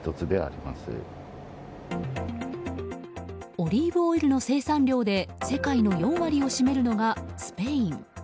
オリーブオイルの生産量で世界の４割を占めるのがスペイン。